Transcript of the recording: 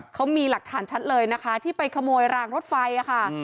เขามีหลักฐานชัดเลยนะคะที่ไปขโมยรางรถไฟค่ะ